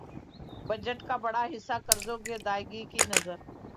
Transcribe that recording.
budget کا بڑا حصہ قرضوں کی ادائیگی کی نذر